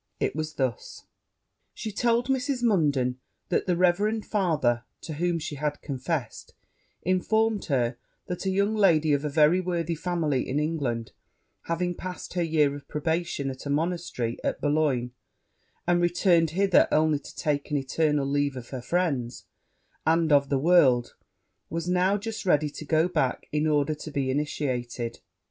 It was thus. She told Mrs. Munden that the reverend father to whom she had confessed, informed her that a young lady, of a very worthy family in England, having passed her year of probation at a monastery in Bologne, and returned hither only to take an eternal leave of her friends, and of the world, was now just ready to go back, in order to be initiated.